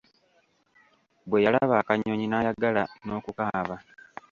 Bwe yalaba akanyonyi n'ayagala n'okukaaba.